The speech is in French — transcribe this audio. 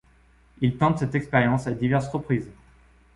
Il tente cette expérience à diverses reprises.